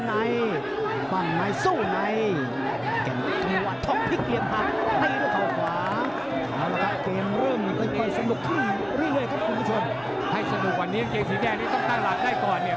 ให้สนุกวันนี้เกงสีแดงนี่ต้องตั้งรับได้ก่อนเนี่ย